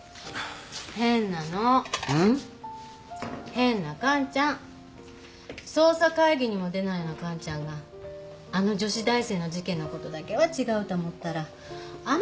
変な完ちゃん。捜査会議にも出ないような完ちゃんがあの女子大生の事件のことだけは違うと思ったらあの子のせいなのね。